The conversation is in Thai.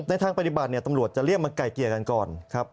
ทางปฏิบัติเนี่ยตำรวจจะเรียกมาไกลเกลี่ยกันก่อนครับ